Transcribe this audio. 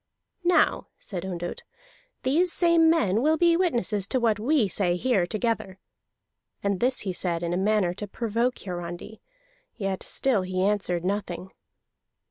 "Now," said Ondott, "these same men will be witnesses to what we say here together." And this he said in a manner to provoke Hiarandi, yet he still answered nothing.